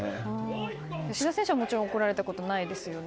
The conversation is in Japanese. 吉田選手は、もちろん怒られたことないですよね？